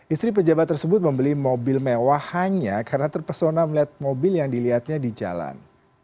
istri pejabat tersebut membeli mobil mewah hanya karena terpesona melihat mobil yang dilihatnya di jalan